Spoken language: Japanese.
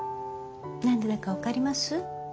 何でだか分かります？